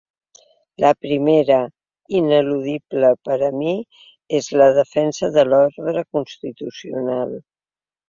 La primera, ineludible per a mi, és la defensa de l’ordre constitucional.